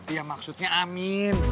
ya maksudnya amin